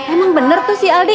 emang bener tuh sih aldi